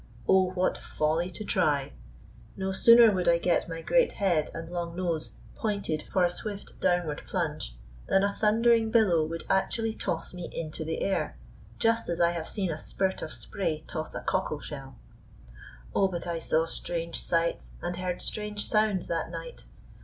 Oh, what folly to try! No sooner would I get my great head and long nose pointed for a swift downward plunge, than a thundering billow would actually toss me into the air, just as I have seen a spurt of spray toss a cockle shell. Oh, but I saw strange sights and heard strange sounds that night!